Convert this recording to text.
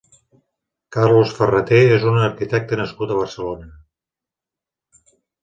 Carlos Ferrater és un arquitecte nascut a Barcelona.